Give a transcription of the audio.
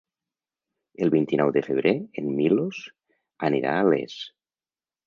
El vint-i-nou de febrer en Milos anirà a Les.